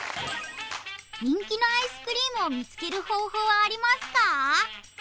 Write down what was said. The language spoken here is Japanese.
人気のアイスクリームを見つける方法はありますか？